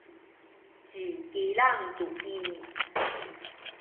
ci Kilang tu i